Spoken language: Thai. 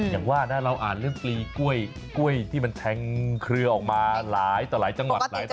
อย่างว่านะเราอ่านเรื่องปลีกล้วยที่มันแทงเครือออกมาหลายต่อหลายจังหวัดหลายต่อ